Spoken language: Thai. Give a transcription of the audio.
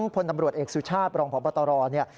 พนับรวจเอกสุชาติรองผอบตรเนี่ย